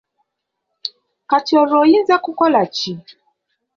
Kati olwo oyinza kukola ki?